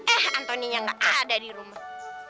eh antoninya nggak ada di rumah